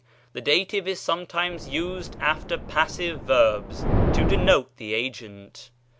The dative is sometimes used after passive verbs to denote the agent.